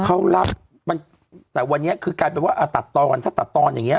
เขารับมันแต่วันนี้คือกลายเป็นว่าตัดตอนถ้าตัดตอนอย่างเงี้